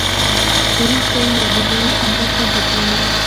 وروسته یې یوې لویې انګړ ته بوتللو.